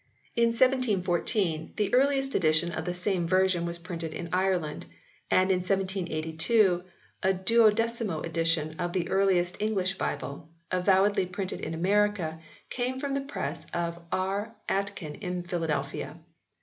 In 1714 the earliest edition of the same version was printed in Ireland; and in 1782, a duodecimo edition of the earliest English Bible, avowedly printed in America, came from the press of R. Aitken in Philadelphia.